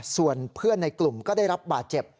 ส่วนเพื่อนในกลุ่มก็ได้รับบาดเจ็บ